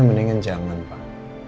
mendingan jangan pak